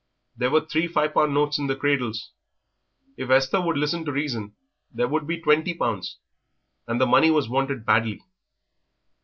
There were three five pound notes in the cradles. If Esther would listen to reason there would be twenty pounds, and the money was wanted badly.